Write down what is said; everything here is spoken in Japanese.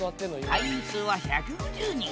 会員数は１５０人。